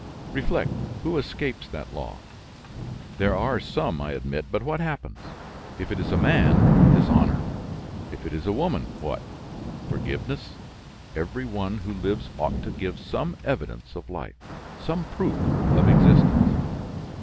Reflect; who escapes that law? There are some, I admit; but what happens? If it is a man, dishonor; if it is a woman, what? Forgiveness. Every one who lives ought to give some evidence of life, some proof of existence.